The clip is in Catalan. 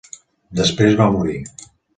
Després va morir.